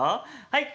はい。